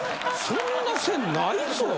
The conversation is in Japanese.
そんな線ないぞ。